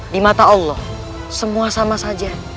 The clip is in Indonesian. di mata allah semua sama saja